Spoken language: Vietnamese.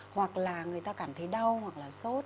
hoặc là người ta cảm thấy đau hoặc là sốt